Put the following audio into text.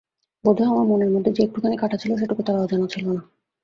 বোধ হয় আমার মনের মধ্যে যে একটুখানি কাঁটা ছিল সেটুকু তাঁর অজানা ছিল না।